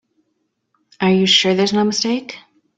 Are you sure there's no mistake?